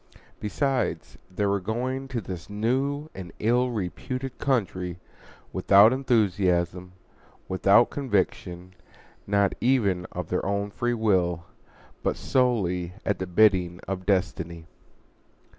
Besides, they were going to this new and ill reputed country without enthusiasm, without conviction, not even of their own free will, but solely at the bidding of destiny.